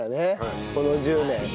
この１０年。